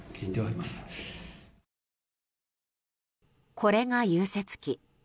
これが融雪機。